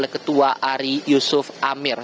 ketua ari yusuf amir